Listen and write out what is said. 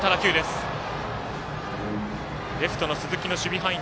レフトの鈴木の守備範囲。